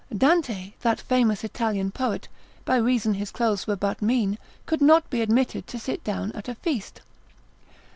Dante, that famous Italian poet, by reason his clothes were but mean, could not be admitted to sit down at a feast.